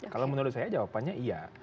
kalau menurut saya jawabannya iya